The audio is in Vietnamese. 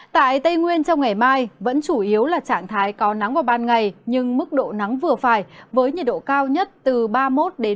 tại tây nguyên trong ngày mai vẫn chủ yếu là trạng thái có nắng vào ban ngày nhưng mức độ nắng vừa phải với nhiệt độ cao nhất từ ba mươi một ba mươi